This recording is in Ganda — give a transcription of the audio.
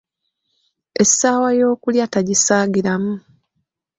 Essaawa y'okulya tagisaagiramu.